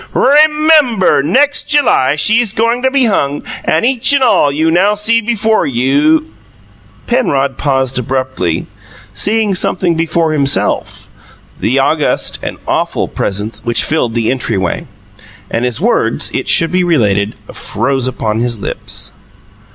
RE MEM BUR! Next July she's goin' to be hung, and, each and all, you now see before you " Penrod paused abruptly, seeing something before himself the august and awful presence which filled the entryway. And his words (it should be related) froze upon his lips.